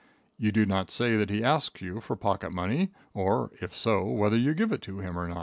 You do not say that he asks you for pocket money, or, if so, whether you give it to him or not.